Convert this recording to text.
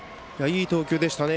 いい投球でしたね。